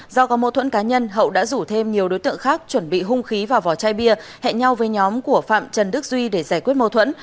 do có mâu thuẫn cá nhân hậu đã rủ thêm nhiều đối tượng khác chuẩn bị hung khí và vỏ chai bia hẹn nhau với nhóm của phạm trần đức duy để giải quyết mâu thuẫn